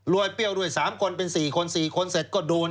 เปรี้ยวด้วย๓คนเป็น๔คน๔คนเสร็จก็โดน